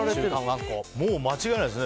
間違いないですね。